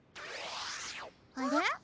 あれ？